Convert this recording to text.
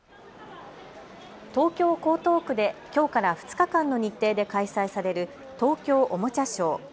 東京江東区できょうから２日間の日程で開催される東京おもちゃショー。